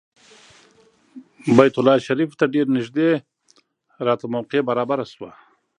بیت الله شریفې ته ډېر نږدې راته موقع برابره شوه.